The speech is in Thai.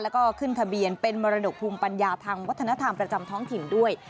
แล้วก็ขึ้นทะเบียนเป็นมรดกภูมิปัญญาทางวัฒนธรรมประจำท้องถิ่นด้วย